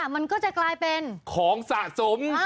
มันก็จะกลายเป็นของสะสม